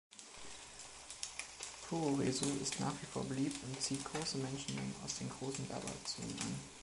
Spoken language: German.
Puroresu ist nach wie vor beliebt und zieht große Menschenmengen aus den großen Werbeaktionen an.